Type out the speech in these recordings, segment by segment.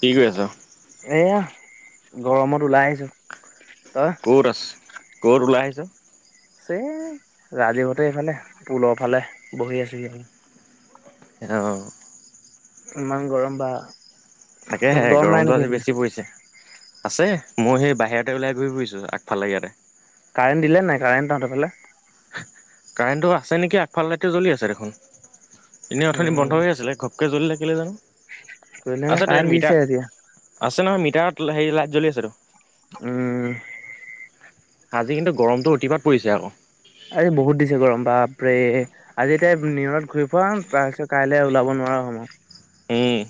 কি কৰি আছা? এইয়া গৰমত ওলাই আহিছো, তই? ক'ত আছে ক'ত ওলাই আহিছ? চে ৰাজীৱহঁতে এইফালে পুলৰ ফালে বহি আছেহি। অ'। ইমান গৰম বা! তহঁতৰ তাকেহে গৰম নাই গৰমটো নেকি আজি সেইফালে বেছি পৰিছে। আছে মই সেই বাহিৰতে ওলাই ঘূৰি ফুৰিছোঁ আগফালে ইয়াতে। কাৰেণ্ট দিলে নে নাই কাৰেণ্ট তহঁতৰফালে? কাৰেণ্টটো আছে নেকি আগফাল লাইটটো জ্বলি আছে দেখোন। এনে অথনি উম বন্ধ হৈ আছিলে ঘ পকে জ্বলি থাকিলে জানো কৰিলে নে আছেতো ইয়াত কাৰেণ্ট দিছে মিটাৰ এতিয়া আছে নহয় মিটাৰত হেৰি লাইট জ্বলি আছেতো। উম। আজি কিন্তু গৰমটো অতিপাত পৰিছে আকৌ। আজি বহুত দিছে গৰম বাপৰে! আজি এটাই নিয়ৰত ঘূৰি ফোৱা তাৰ পিছত কাইলে ওলাব নোৱাৰা হম আৰু। উম।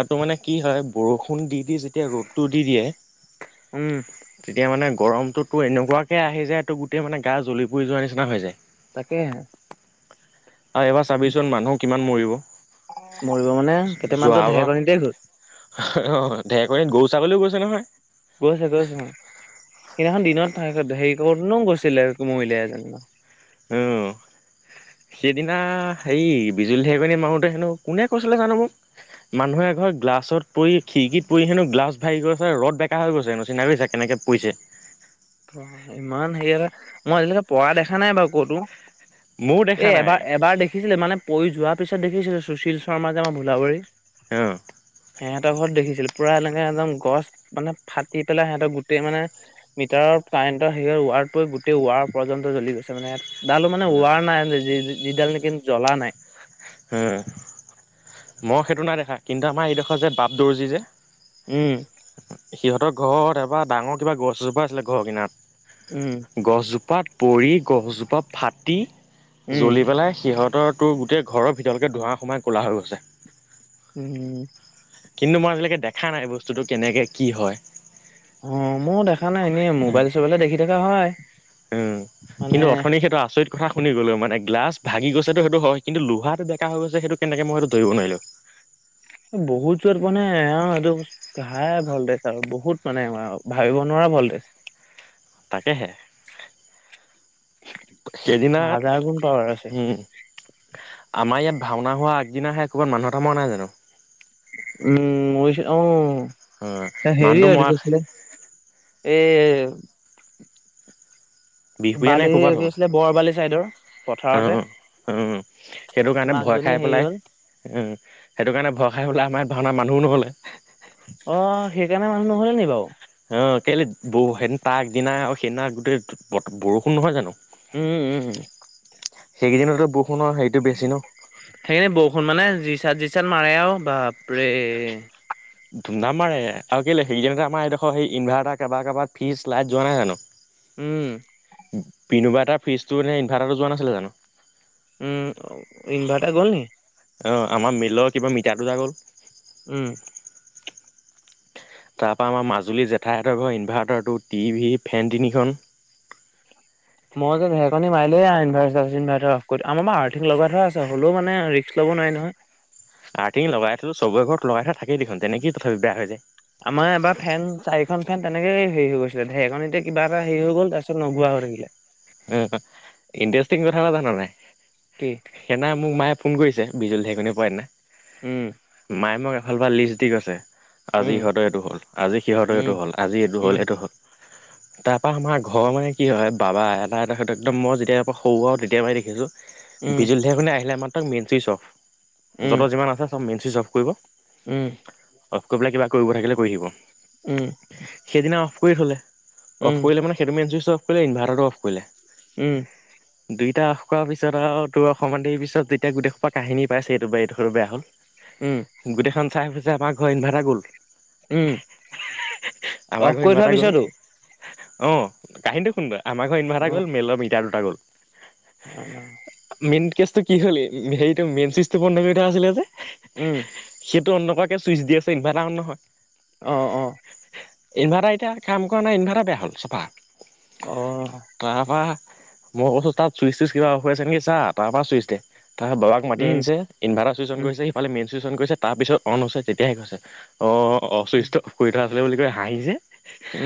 আৰু তোৰ মানে কি হয় বৰষুণ দি দি যেতিয়া ৰ'দটো দি উম দিয়ে। তেতিয়া মানে গৰমটো তোৰ এনেকুৱাকৈ আহি যায় তোৰ গোটেই মানে গা জ্বলি পুৰি যোৱাৰ নিচিনা হৈ যায়। তাকেহে। আৰু এইবাৰ চাবিচোন মানুহ কিমান মৰিব। মৰিব মানে কেইটামানতো যোৱাবাৰ ঢেৰেকনিতেই নিদিয়েই হ'ল। অ ঢেৰকনিত গৰু ছাগলীও গৈছে নহয় গৈছে গৈছো ম সেইদিনাখন দিনত হেৰি কৰ নো গৈছিলে মইলে এজনীমান অ সিদিনা হেৰি বিজুলী ঢেকী মাৰোঁতে হেনো কোনে কৈছিলে জানো মোক মানুহ এ ঘৰ গ্লাছত পৰি খিৰিকিত পৰি হেন গ্লাছ ভাঙি গৈছে ৰদ বেকা হৈ গৈছে নোচিনা হৈয় কেনেকৈ পৰিছে ইমান হেৰি এটা মই আজিলৈকে পঢ়া দেখা নাই বাৰু ক'তো ময়ো দেখা এ নাই, এবাৰ এবাৰ দেখিছিলে মানে পৰি যোৱাৰ পিছত দেখিছিলো সুশল শৰ্মা যে আমাৰ ভোলাবাৰী অঁ সিহঁতৰ ঘৰত দেখিছিল পুৰা এনেকে একদম গছ মানে ফাটি পেলাই সিহঁতৰ গোটেই মানে হটাৰৰ কাৰেণ্টৰ হেয়ত ৱাৰটোৱে গোটেই ৱাৰ পৰ্যন্ত জ্বলি গৈছে মানে ইয়াত ডালো মানে ওৱাৰ নাই যিডাল নেকি জ্বলা নাই মই সেইটো নাই দেখা কিন্তু আমাৰ এইডোখৰ যে বাপ দৰ্জি যে উম সিহঁতৰ ঘৰত এবাৰ ডাঙৰ কিবা গছ এজোপা আছিলে ঘৰ কিনাৰত উম গছজোপাত পৰি গছজোপা ফাটি উম জ্বলি পেলাই সিহঁতৰটোৰ গোটেই ঘৰৰ ভিতৰলেকে ধোৱা সোমাই কলা হৈ গৈছে উম কিন্তু মই আজিলৈকে দেখা নাই বস্তুটো কেনেকে কি হয় অ মইয়ো দেখা নাই এনে মোবাইল চোবাইলে দেখি থকা হয় উম মানে কিন্তু অথনি সেইটো আচৰিত কথা শুনি গ'লো মানে গলাছ ভাগি গৈছেটো সেইটো হয় কিন্তু লোহাটো বেকা হৈ গৈছে সেইটো কেনেকে মই সেটো ধৰিব নোৱাৰিলো বহুত জোৰত মানে হাই ভল্টেজ আৰু বহুত মানে ভাবিব নোৱাৰা ভল্টেজ তাকেহে সেইদিন হাজাৰ গুণ পাৱাৰ আছে উম আমাৰ ইয়াত ভাওনা হোৱা আগদিনাহে ক'ৰবাত মানুহ এটা মৰা নাই জানো উম অ অ মানুহটো হেৰি আৰু মৰা গৈছিলে এ বিহপুৰীয়া নে বালি ক'ৰবাত হ'বলা আছিলে বৰবালি চাইদৰ অ পথাৰতে উম সেইটো কাৰণে ভয় মাকজনী খাই হেৰি পেলাই হ'ল উম সেইটো কাৰণে ভৰ খাই হলে আমাৰ ভাওনা মানুহো নগলে অ সেইকাৰণে মানুহ নহলে নি বাৰু অ কেলে সেইদিনা তাক আগদিনা সেইদিনা গোটেই বৰষুণ নহয় জানো উম উম সেইকেইদিনতে বৰষুণৰ হেৰি সেইকাৰনে বৰষুণ মানে যি চাট যি চাট মাৰে আৰু বাপৰে [unintelligible] ধুম ধাম মাৰে আৰু কেলে সেইদিননাতে আমাৰ এইডোখৰ এই ইনভাৰ্টাৰটো কাৰবা কাৰবাৰ ফিজ লাইট যোৱা নাই জানো উম পিনোবা এটা ফ্ৰজটো এনে ইনভাৰ্টাৰটো যোৱা নাছিলে জানো উম ইনভাৰ্টাৰ গ'ল ন অঁ আমাৰ মিলৰ কিবা মিটাৰ দুটা গ'ল উম তাৰপৰা আমাৰ মাজুলীৰ জেঠাইঠৰ ঘৰ ইনভাৰ্টাৰটো, টিভি, ফেন তিনিখন মই যে ঢেৰেকণি মাৰিলে ইনভাৰ্টাৰ চিইনভাৰটাৰ অফ কৰি দিওঁ, আমাৰ আৰ্থিং লগা থোৱা আছে হ'লেও মানে ৰিক্স ল'ব নোৱাৰি নহয়। আৰ্থিং লগাই থলো চবৰে ঘৰত লগাই থাকেই দেখোন, তেনেকেই তথাপি বেয়া হৈ যায়। আমাৰ এইবাৰ ফেন চাৰিখন ফেন তেনেকেই হেৰি হৈ গৈছিলে, ঢেৰকণিতে কিবা এটা হেৰি হৈ গল তাৰপিছত নোঘুৱা হৈ থাকিলে। উম, ইণ্টাৰেষ্টিং কথাতেওঁ জান নাই? কি? সেইদিনা মোক মায়ে ফোন কৰিছে বিজুলী ঢেইকণিৰ পোৱা দিনা। উম। মায়ে মোক এফালফাল লিষ্ট দি কৈছে। আজি উম সিহঁতৰ এইটো হ'ল, আজি সিহঁতৰ উম, এইটো হ'ল আজি এইটো উম, হ'ল এইটো হ'ল। তাৰপা আমাৰ ঘৰ মানে কি হয় বাবাই মাৰে তাৰ পিছত একদম মই যেতিয়া পৰা সৰুৱওঁ তেতিয়া পৰাই দেখিছোঁ, উম, বিজুলী ঢেৰেকণি আহিলে আমাৰ তাক মেনচুইচ অফ উম, য'তৰ যিমান আছে চব মেনচই অফ কৰিব। উম। অফ কৰিব কিবা কৰিব থাকিলে কৰি দিব। উম সেইদিনা অফ কৰি থলে, অফ উম, কৰিলে মানে সেইটো মেইন চুইচ অফ কৰিলে ইনভাৰটাৰটো অফ কৰিলে। উম [unintelligible] দুইটা অফ কৰাৰ পিছত আৰু তোৰ অকন মান দেৰি পিছত যেতিয়া গোটেই সোপা কাহিনী পাইছেহি এইটো বাই এইটো দুখৰ বেয়া হ'ল। উম, গোটেইখন চাই ফুৰিছে আমাৰ ঘৰত ইনভাৰ্টাৰ গ'ল। উম, অফ আমাৰ ঘৰ কৰি থোৱাৰ ইনভাৰ্টাৰ গ'ল। পিছতো অঁ কাহিনীটো শুন তই, আমাৰ ঘৰ ইনভাৰ্টাৰ গ'ল মেলৰ মিটাৰ দুটা গ'ল। অঁ মেইন কেচটো কি হলে হেৰিটো মেইন চুইছটো বন্ধ কৰি থোৱা আছিলে যে। উম সেইটো অন নকৰাকে চুইচ দি আছে ইনভাৰ্টাৰ অন নহয়। অঁ অঁ ইনভাৰ্টাৰ এতিয়া কাম কৰা নাই ইনভাৰ্টাৰ বেয়া হ'ল চফা। অ তাৰ পৰা মই কৈছো তাত চুইচ চুইচ কিবা অফ হৈ আছে নেকি চা, তাৰ পৰা চুইচ দে তাৰপাছত বাবাক মাতি উম, আনিছে ইনভাৰ্টাৰ চুইচ অন উম, কৰিছে সিফালে মেইন চইছ অন কৰিছে তাৰ পিছত অন হৈছে তেতিয়াহে হৈছে। অ চুইছটো অফ কৰি থোৱা আছিলে বুলি কয় হাঁহিছে।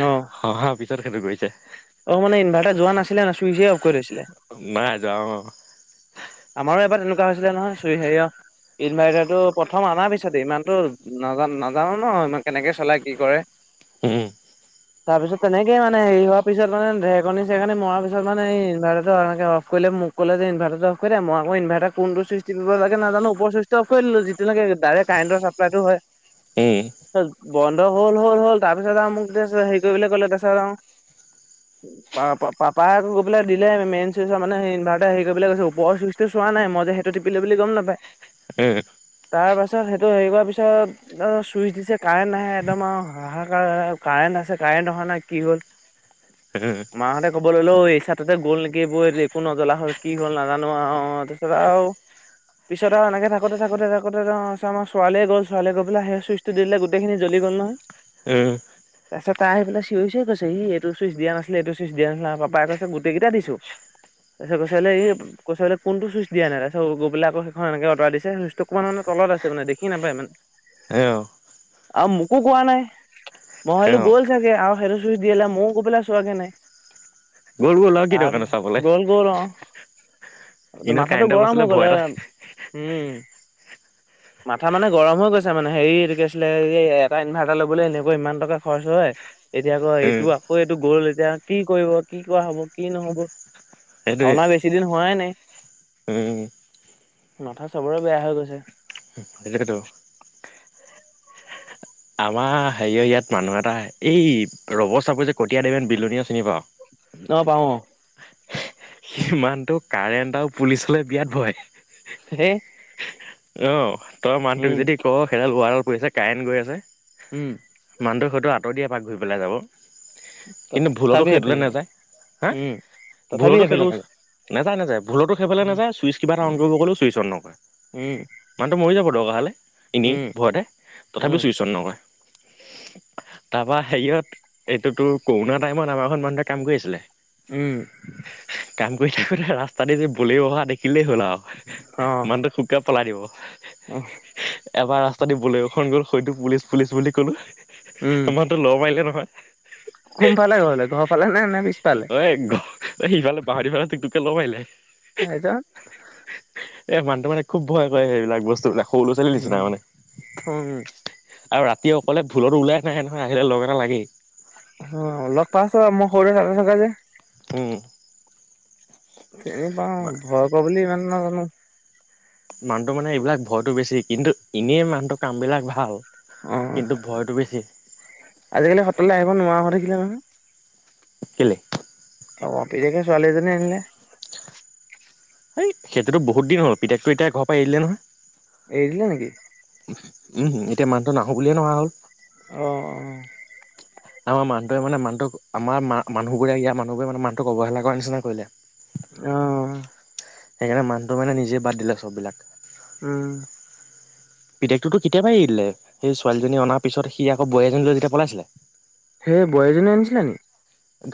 অঁ হহাঁৰ পিছত সেইটো কৰিছে। অ মানে ইনভাৰ্টাৰ যোৱা নাছিলে ন ছুইচে অফ কৰি থৈছিলে। নাই যোৱা অঁ। আমাৰো এবাৰ তেনেকুৱা হৈছিলে নহয় চুই হেৰিয়। ইনভাৰটাৰটো প্ৰথম অনা পিছতে ইমানতো নাজা নাজানো ন ইমান কেনেকে চলোই কি কৰে। উম তাৰপিছত তেনেকেই মানে হেৰি হোৱাৰ তাৰপিছত তেনেকেই মানে হেৰি হোৱা পাছত ঢেৰিকণি চেৰেকনি মৰা পিছত মানে ইনভাৰ্টাৰটো এনেকে অফ কৰিলে মোক ক'লে যে ইনভাৰ্টাৰটো অফ কৰি দে মই আকৌ ইনভাৰ্টাৰ কোনটো চুইছ তিপিব লাগে নাজানো ওপৰ চুইচ অফ কৰি দিলোঁ। আজিলেকে ডাইৰেক্ট কাৰেণ্টৰ চাপ্লাইতটো হয়। উম ত বন্ধ হল হ'ল হ'ল তাৰপিছত আৰু মোক কৈছে হেৰি কৰিবলৈ ক'লে তাৰ পিছত আও পা-পা-পাপাই আকৌ গৈ পেলাই দিলে মেইন চুইচৰ মানে ইনভাৰ্টাৰ হেৰি [unintelligible] কৈছো। মই চুইটো চোৱা নাই, মই যে সেইটো টিপিলে বুলি গম নাপায়। [unintelligible] তাৰ পাছত সেইটো সেৰি কৰা পিছত [unintelligible] চুইচ দিছে কাৰেণ্ট নাহে একদম আৰু হাহাকাৰ কাৰেণ্ট আছে কাৰেণ্ট অহা নাই কি হ'ল। হম। মাহঁতে ক'বল'লে অঁ' এইচাততে গ'ল নেকি [unintelligible] একো নজলা হ'ল কি হ'ল না জানো আও তাৰপিছত আৰু পিছত আৰু এনেকে থাকোতে থাকোতে থাকো তে অঁ' আমাৰ ছোৱালীয়ে গ'ল ছোৱালীয়ে গৈ পেলায় সেই চুইছটো দিলে গাতেইখিনি জ্বলি গ'ল নহয়। উম। তাৰপিছত তাই আহি পেলাই চিঞৰি চিঞৰি কৈছে ই এইটো চুইচ দিয়া নাছিলে এইটো চইচ দিয়া নাছিলে আৰু পাপাই কৈছে গোটেইকেইটা দিছো। তাৰপিচত কৈছে হ'লে ই কৈছে হ'লে কোনটো চইচ দিয়া নাই, তাৰপাচত গৈ পেলাই আকৌ সেইখন এনেকে অতৰাই দিছে চইচটো অকমান মানে তলত আছে। মানে দেখি নাপায় মানে সেও আৰু মোকো কোৱা নাই, মই হ'লে সেও গৈ াগে আৰু সেইটো চুইচ [unintelligible] মইয়ো গৈ পেলাই চোৱাগে নাই। গ'ল গ'ল আৰু কি দৰকাৰ নো তাৰপিছত চাবলে গ'ল অঁ' এনেও মাথাটো কাৰেণ্টৰ গৰম বস্তুলে হৈ গ'ল। ভয় এটা উমঁ' মাথা মানে গৰম হৈ গৈ ছে মানে সেৰি এইটো কি আছিলে এই এটা ইনভাৰ্টাৰ ল'বলৈ এনেকৈ ইমান টকা খৰচ হয়। এতিয়া আকৌ এইটো উম আকৌ এইটো গ'ল এতিয়া কি কৰিব কি কৰা হ'ব কি নহ'ব। অনা বেছিদিন হোৱাই নাই। উমঁ। মাথা চবৰে বেয়া হৈ গৈছে। সেইটোৱেটো। আমাৰ সেৰিয়ৰ ইয়াত মানুহ এটা এই ৰবৰ চাপোৰ যে কটীয়া দেবেন বিলনীয়া চিনি পাওঁ? অঁ' পাওঁ অঁ'। সেই মানুহটো কাৰেণ্ট আৰু পুলিচলে বিৰাত ভয়। সে অঁ' তই মানুহটোক যদি ক সেইডাল ৱাৰডাল পৰি আছে কাইন গৈ আছে উমঁ। মানুহটো হয়তো আতৰ দিয়ে এপাক ঘূৰি পেলাই যাব। কিন্তু ভুলতো তথাপি সেইটোলৈ সেইফালে নাযায়, হা' উম, তথাপি ভুলতো সেইফালে সেইটো কালি নাযায় নাযায়, ভুলতো সেইফালে নাযায়, চুইচ কিবা এটা অন উম, কৰিব ক'লেও ছুইচ অন নকৰে। উম, মানুহটো মৰি যাব দৰকাৰ হ'লে এনেই উম, ভয়তে, উম, তথাপিও চুইচ অন নকৰে। তাৰপৰা সেৰিয়ত এইটো তোৰ কৰোণা টাইমত আমাৰ ঘৰত মানুহটোয়ে কাম কৰি আছিলে। উম। কাম কৰি থাকোতে ৰাস্তাতে যে বলেৰু অহা দেখিলেই হ'ল আৰু মানুহটোৱে শুককে পলাই দিব। অঁ। এবাৰ ৰাস্তা দি বলেৰুখন গ'ল হয়তো পুলিচ- পুলিচ বুলি ক'লো উম, মানু্হ টো ল'ৰ মাৰিলে নহয়। কোনফালে ঘৰলে, ঘৰ ফালে নে- নে পিছফালে? এই ঘ সিফালে বাঁহনি ফালে তিক তোককে লৰ মাৰিলে। কি কৈছ? এই মানুহটো মানে খুব ভয় কৰে সেইবিলাক বস্তুবিলাক। সৰু ল'ৰা- ছোৱালী নিচিনা উম, মানে। উম, আৰু ৰাতি অকলে ভুলটো ওলাই নাহে, নহয়। আহিলে লগ এটা লাগেই। অ, লগ পাইছ, মই সৰুতে থকা যে। উম, চিনি পাওঁ, ভয়‌ কৰে বুলি ইমানে নাজানো। মানুহটো মানে এইবিলাক ভয়টো বেছি। কিন্তু এনেই মানুহটোৰ কাম বিলাক ভাল। অ, কিন্তু ভয়টো বেছি আজিকালি সত্ৰলৈ আহিব নোৱাৰা দেখিলে নহয়। কেলে? অ, পিতেকে ছোৱালী এজনী আনিলে। এই, সেইটোতো বহুত দিন হ'ল, পিতেকটো এতিয়া ঘৰ পৰা এৰি দিলে নহয়। এৰি দিলে নেকি? উম, এতিয়া মানুহটো নাহো বুলিয়ে, নহা হ'ল। অ, আমাৰ মানুহটো মানে মানুহটোক, আমাৰ মানুহবোৰে, মানুহোৰে মানুহক, অৱহেলা কৰা নিচনা কৰিলে। অ, সেইকাৰণে মানুহটো মানে নিজেই বাদ দিলে, চববিলাক। উম, পিতেকটো কেতিয়াবাই এৰি দিলে। সেই ছোৱালীজনী অনাৰ পিছত সি আকৌ বোৱাৰী এজনী লৈ যেতিয়া পলাইছিলে। সেই বোৱাৰীৰেকএজনী আনিছিল নেকি?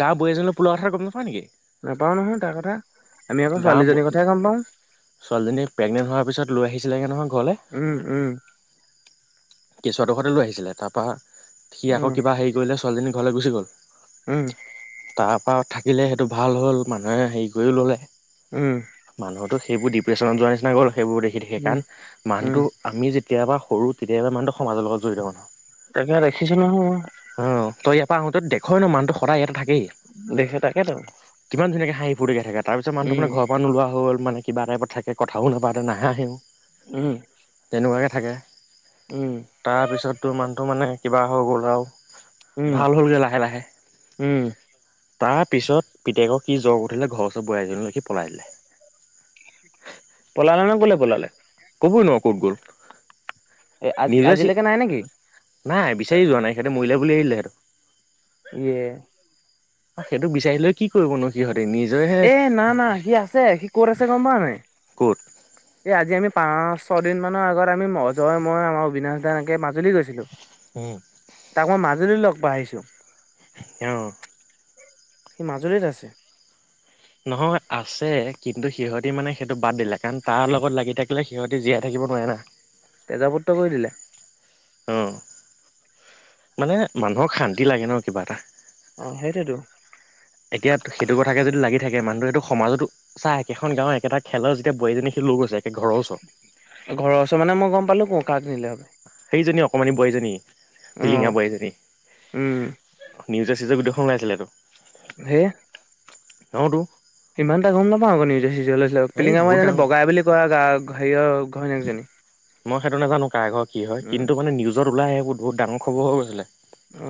গাঁওৰ বোৱাৰী এজনীলৈ পলোৱা কথা গম নোপোৱা নেকি? নাপাওঁ নহয়, তাৰ কথা, আমি আকৌ গাঁৱৰ ছোৱালীজনীৰ কথাই গম পাওঁ। ছোৱালীজনী প্ৰেগনেণ্ট হোৱাৰ পিছত, লৈ আহিছিলেগে নহয় ঘৰলৈ। উম উম কেঁচুৱাটো সয়তে লৈ আহিছিলে। তাৰ পৰা সি উম আকৌ কিবা হেৰি কৰিলে ছোৱালীজনীক। ঘৰলৈ গুচি গ'ল। হম, তাৰপৰা থাকিলে সেইটো ভাল হ'ল। মানুহে হেৰি কৰিও ল'লে। উম, মানুহটো সেই ডি্ৰেশ্যনত যোৱাৰ নিচিনা গ'ল। সেইবোৰ দেখি, দেখি উম কাৰণে, উম মনুহটো। আমি যেতিয়াবা, সৰু কেতিয়াবা মানুহটো সমাজৰ লগত জড়িত মানুহ। তাকে, দেখিছো নহয়, মই। অ, তই ইয়াৰ পৰা আহোতে দেখই ন, মানুহটো সদায় ইয়াটে দেখে তাকেতো থাকেই। কিমান ধুনীয়াকে হাঁহি ফুৰ্তিকে থাকে। তাৰ পিছ মানুহটো উম মানে ঘৰৰ পৰা নোলোৱা হ'ল মানে। কিবা তাইপত, কথা নাপাতে, নাহাহেও। উম, তেনেকুৱাকে থাকে। উম, তাৰপিছতটো মানুহটো মানে কিবা হৈ গ'ল, আৰু উম ভাল হ'লগৈ লাহে- লাহে। উম, তাৰপিছত পিতেক কি জক উঠিলে? ঘৰ-চৰ বোৱাৰ়ীজনীলৈ লিখি পলাই দিলে। পলালে ন, ক'লে পলালে। ক'বই নোৱাৰো ক'ত গ'ল? এ, আজি, নিজে চি আজিলৈকে নাই নেকি? নাই বিচাৰি যোৱা নাই, সেইতে মৰিলে বুলি এৰি দিলে সেইটো। ইয়ে অ, সেইটো বিচাৰিলৈ কি কৰিব নো, সিহঁতে নিজৰহে, এ না না সি আছে সি ক'ত আছে গম পাৱ নাই ক'ত? এই, আজি আমি পাঁচ, ছদিন মানৰ আগত আমি অজয়, মই, আমাৰ অবিনাশ দা এনেকে মাজুলী গৈছিলো। উম। তাক মই মাজুলীত লগ পাই আহিছো। অ। সি মাজুলীত আছে। নহয়, আছে। কিন্তু সিহঁতি মানে সেইটো বাদ দিলে, কাৰণ তাৰ লগত লাগি থাকিলে সিহঁতি জীয়াই থাকিব নোৱাৰে না। তেজপুত্ৰ কৰি দিলে। অ। মানে, মানুহক শান্তি লাগে ন' কিবা এটা। অ, সেইটোৱেইটো। এতিয়া, সেইটো কথাকে যদি লাগি থাকে, মানুহটোৱেটো সমাজটো চা, একেখন গাঁৱৰ, একেটা খেলৰ যেতিয়া বোৱাৰীজনী সি লৈ গৈছে, একে ঘৰৰ ওচৰৰ। ঘৰৰ ওচৰৰ মানে মই গম পালো কাক নিলে'। সেইজনী অকণমানি বোৱাৰী জনী, অ পিলিঙা বোৱাৰী জনী। উম নিউজে-চিউজে গোটেইখন ওলাইছিলেটো। হে অ, টো। ইমান এটা গম নাপাওঁ আকৌ নিউজে-চিউজে ওলাইছিল এই পিলিংগা বহুত [unintelligible] ডাঙৰ বগাই বুলি কোৱা [unintelligible] হেৰিয়ৰ ঘৈনীকজনী। মই সেইটো নাজানো, কাৰ ঘৰ, কি হয়? উম কিন্তু মানে নিউজত ওলাই এইবোৰ বহুত ডাঙৰ খৰ হৈ গৈছিলে। অ।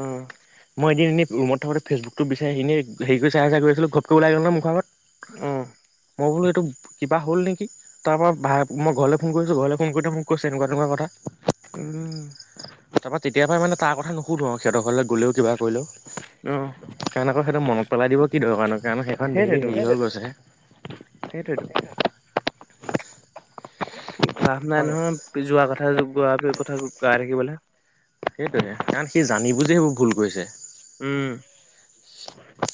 মই এদিন এনে, ৰুমত থাকোতে ফেচবুকটো বিচাৰি এনে, হেৰি কৰি চাই-চাই গৈ আছিলোঁ, ঘপকে ওলাই গ'ল নহয় মুখ আগত। অ। মই বোলো এইটো কিবা হ'ল নেকি? তাৰ পৰা, মই ঘৰলৈ ফোন কৰিছোঁ, ঘৰলৈ ফোন কৰোতে মোক কৈছে এনেকুৱা তেনেকুৱা কথা। [unintelligible] তাৰ পৰা তেতিয়া পৰা মানে, তাৰ কথা নুশুধো আৰু সিহঁতৰ ঘৰলৈ গ'লেও, কিবা অ কৰিলেও। কাৰণ আকৌ সেইটো মনত পেলাই দিব কি দৰকাৰণো, কাৰণ সেইখন ধেৰ হেৰি হৈ গৈছে। সেইটোৱেটো। লাভ নাই অ নহয়, যোৱা কথা, গোৱা কথা গাই থাকিবলৈ। সেইটোয়ে, কাৰণ সি জানি বুজি সেইবোৰ ভুল কৰিছে। উম।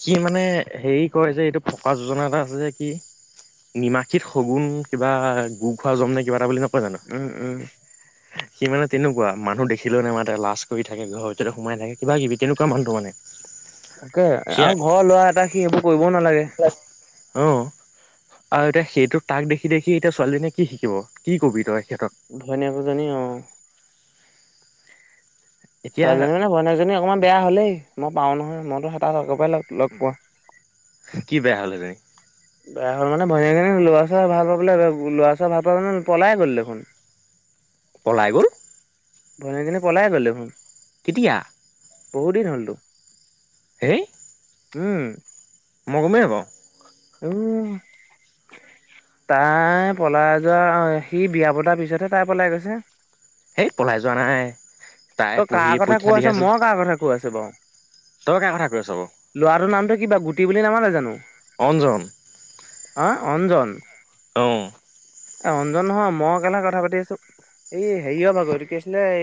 কি মানে, হেৰি কয় যে এইটো, ফকৰা যোজনা এটা আছে যে কি? নিমাখিত শগুন কিবা, গু খোৱা যমনে কিবা এটা বুলি নকয় জানো? উম উম [inaudible] সি মানে তেনেকুৱা, মানুহ দেখিলেও নামাতে, লাজ কৰি থাকে, ঘৰ ভিততে সোমাই থাকে, কিবা কিবি তেনেকুৱা মানুহটো মানে। তাকে, সেয়া আৰু ঘৰৰ ল'ৰা এটা, সি সেইবোৰ কৰিবও নালাগে। অ। আৰু এতিয়া সেইটো, তাক দেখি-দেখি এতিয়া ছোৱালীজনীয়ে কি শিকিব, কি কবি তই সিহঁতক? ভনীয়েক দুজনী, অ। এতিয়া ছোৱালীজনী মানে, ভনীয়েকজনী অকণমান বেয়া হলেই, মই পাওঁ নহয়, মইটো হে তাক আগৰ পৰা লগ পোৱা। কি বেয়া হ'লে তাই? বেয়া হ'ল মানে, ভনীয়েকে ল'ৰা-ছৰা ভাল পাই পেলাই, ল'ৰা-ছৰা ভাল পাই পলাই গল দেখোন। পলাই গ'ল? ভনীয়েক জনী পলাই গ'ল দেখোন। কেতিয়া? বহুদ দিন হ'লতো এই উম মই গমেই নাপাওঁ উই তাই পলাই যোৱা সি বিয়া পতাৰ পিছতহে তাই পলাই গৈছে সেই পলাই যোৱা নাই তাই তই কাৰ পঢ়ি কথা পৰীক্ষা কৈ দি আছ আছিলে মই কাৰ কথা কৈ আছো বাও তই কাৰ কথা কৈ আছ বাৰু লৰাটোৰ নামটো কি বাও গুটি বুলি নামাতে জানো অঞ্জন হা অঞ্জন অ এ অঞ্জন নহয় মই [unintelligible] কথা পাতি আছো এই হেৰিঅ ভাগৰ এইটো কি আছিলে